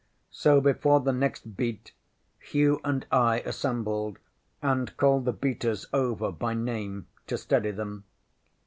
So, before the next beat, Hugh and I assembled and called the beaters over by name, to steady them.